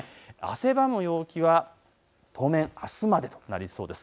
汗ばむ陽気は、当面、あすまでとなりそうです。